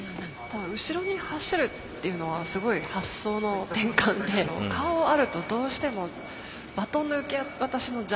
後ろに走るっていうのはすごい発想の転換で顔あるとどうしてもバトンの受け渡しの邪魔になるんですよ。